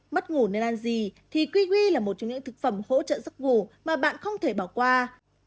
mất ngủ nên ăn gì thì quywi là một trong những thực phẩm hỗ trợ giấc ngủ mà bạn không thể bỏ qua